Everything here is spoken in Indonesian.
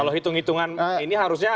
kalau hitung hitungan ini harusnya